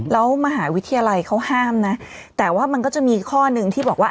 แล้วมหาวิทยาลัยเขาห้ามนะแต่ว่ามันก็จะมีข้อหนึ่งที่บอกว่า